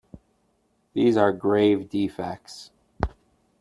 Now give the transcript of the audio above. These are grave defects.